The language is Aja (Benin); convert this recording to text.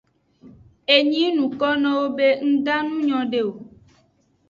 Enyi yi nuko be nda nu nyode o.